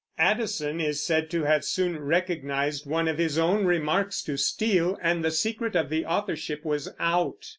Addison is said to have soon recognized one of his own remarks to Steele, and the secret of the Authorship was out.